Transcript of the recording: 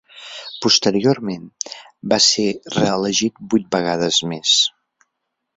Posteriorment va ser reelegit vuit vegades més.